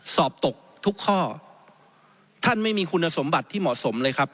สอบตกทุกข้อท่านไม่มีคุณสมบัติที่เหมาะสมเลยครับ